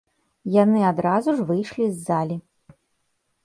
Яны адразу ж выйшлі з залі.